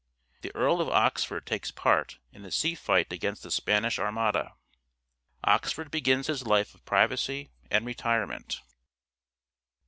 The Earl of Oxford takes part in the sea fight against the Spanish Armada. Oxford begins his life of privacy and retirement.